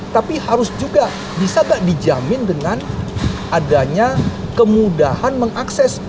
tapi harus juga bisa mbak dijamin dengan adanya kemudahan mengakses